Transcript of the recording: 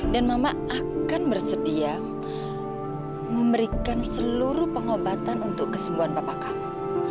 dan mama akan bersedia memberikan seluruh pengobatan untuk kesembuhan papa kamu